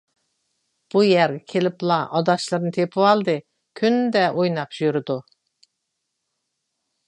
بۇ يەرگە كېلىپلا ئاداشلىرىنى تېپىۋالدى، كۈندە ئويناپلا يۈرىدۇ.